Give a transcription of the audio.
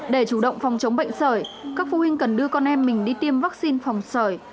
để chủ động phòng chống bệnh sởi các phụ huynh cần đưa con em mình đi tiêm vaccine phòng sởi